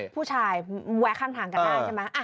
ผู้ชายแวะข้างทางกับผู้ชายใช่ไหม